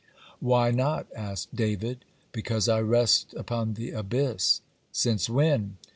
"Why not?" asked David. "Because I rest upon the abyss." "Since when?"